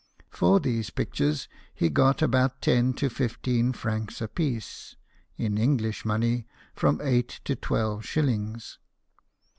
For these pictures he got about ten to fifteen francs apiece, in English money from eight to twelve shillings.